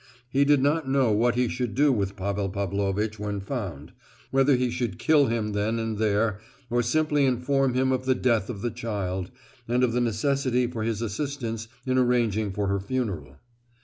He did not know what he should do with Pavel Pavlovitch when found, whether he should kill him then and there, or simply inform him of the death of the child, and of the necessity for his assistance in arranging for her funeral.